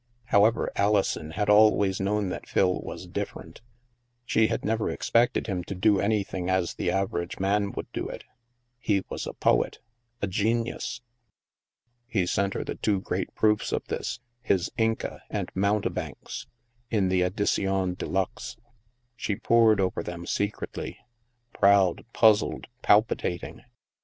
However, Alison had always known that Phil was "different''; she had never expected him to do anything as the average man would do it He was a poet — a genius. He sent her the two great proofs of this — his " Inca " and " Mountebanks "— in the edition de luxe. She pored over them secretly — proud, puz zled, palpitating.